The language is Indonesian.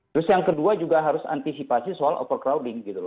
terus yang kedua juga harus antisipasi soal overcrowding gitu loh